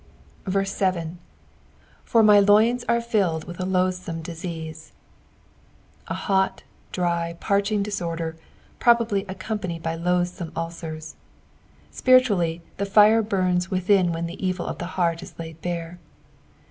7. " For my loint an Jilled uUh a loathaome dueane" — a hot, drj, parching disorder, probably accompanied by loathsome ulcers. Bpiritually, the fire bums witbin whEQ the evil of the heart is laid bare.